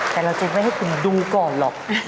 แต่เราจะไม่ให้คุณดูก่อนหรอก